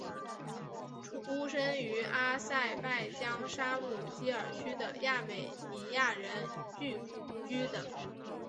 出生于阿塞拜疆沙姆基尔区的亚美尼亚人聚居的。